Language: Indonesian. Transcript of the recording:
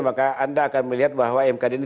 maka anda akan melihat bahwa mkd ini